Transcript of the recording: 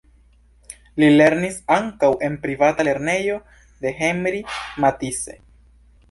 Li lernis ankaŭ en privata lernejo de Henri Matisse.